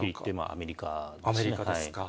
アメリカですか。